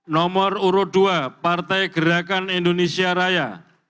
nomor urut dua partai gerakan indonesia raya